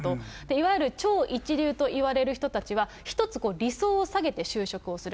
いわゆる超一流といわれる人たちは、１つ、理想を下げて就職をする。